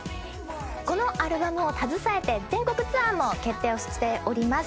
このアルバムを携えて全国ツアーも決定しております。